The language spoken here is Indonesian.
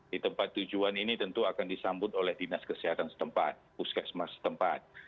di tempat tujuan ini tentu akan disambut oleh dinas kesehatan setempat puskesmas tempat